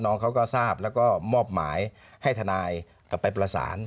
น้องเขาก็ทราบแล้วก็มอบหมายให้ทนายกลับไปประสาน